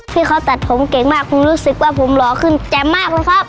พี่ครอบตัดผมเก่งมากคุณรู้สึกว่าผมหล่อขึ้นแจบมากครับครับ